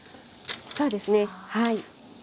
そうですねはい。